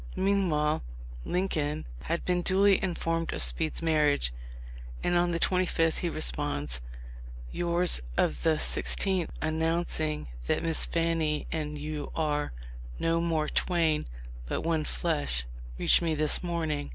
Meanwhile Lincoln had been duly informed of Speed's marriage, and on the 25th he responds : "Yours of the 16th, announcing that Miss Fanny and you are 'no more twain, but one flesh,' reached me this morning.